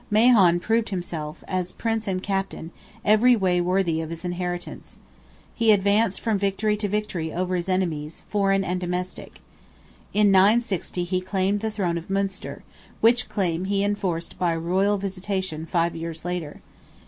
Mahon proved himself, as Prince and Captain, every way worthy of his inheritance. He advanced from victory to victory over his enemies, foreign and domestic. In 960 he claimed the throne of Munster, which claim he enforced by royal visitation five years later.